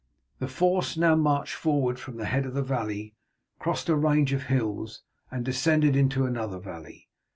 The force now marched forward from the head of the valley, crossed a range of hills, and descended into another valley.